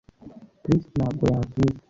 Chris ntabwo yansubiza